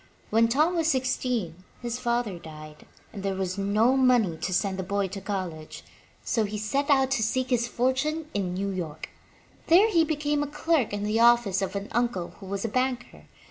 When Tom was sixteen, his father died, and there was no money to send the boy to college, so he set out to seek his fortune in New York. There he became a clerk in the office of an uncle who was a banker.